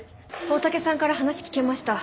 大竹さんから話聞けました。